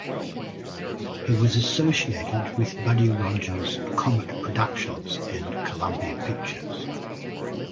He was associated with Buddy Rogers' Comet Productions and Columbia Pictures.